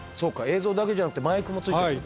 映像だけじゃなくてマイクもついてる。